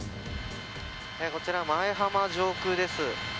こちら舞浜上空です。